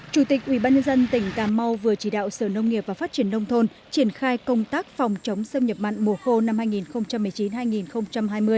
chủ tịch ubnd tỉnh cà mau vừa chỉ đạo sở nông nghiệp và phát triển nông thôn triển khai công tác phòng chống xâm nhập mặn mùa khô năm hai nghìn một mươi chín hai nghìn hai mươi